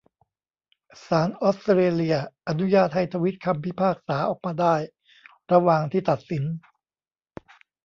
ศาลออสเตรเลียอนุญาตให้ทวิตคำพิพากษาออกมาได้ระหว่างที่ตัดสิน